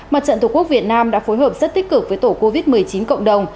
mặt trận tq việt nam đã phối hợp rất tích cực với tổ covid một mươi chín cộng đồng